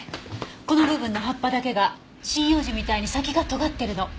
この部分の葉っぱだけが針葉樹みたいに先がとがってるの。